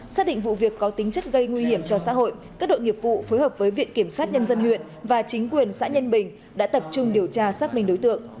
xác định vụ việc có tính chất gây nguy hiểm cho xã hội các đội nghiệp vụ phối hợp với viện kiểm sát nhân dân huyện và chính quyền xã nhân bình đã tập trung điều tra xác minh đối tượng